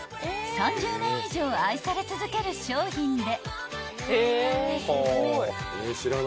［３０年以上愛され続ける商品で］